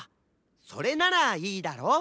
それならいいだろ？